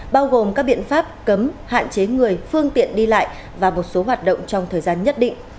bao gồm các biện pháp cấm hạn chế người phương tiện đi lại và một số hoạt động trong thời gian nhất định